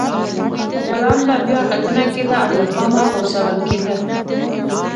پر پلان به بیا کتنه کېده او له پامه غورځول کېده.